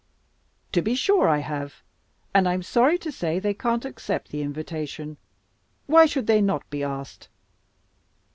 "To be sure I have. And I am sorry to say they can't accept the invitation. Why should they not be asked?"